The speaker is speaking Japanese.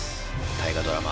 大河ドラマ